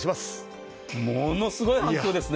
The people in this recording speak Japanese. ものすごい反響ですね。